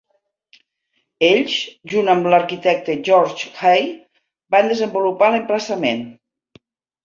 Ells, junt amb l"arquitecte George Hay, van desenvolupar l"emplaçament.